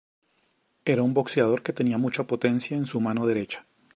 Era un boxeador que tenía mucha potencia en su mano derecha.